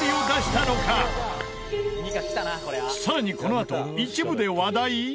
さらにこのあと一部で話題？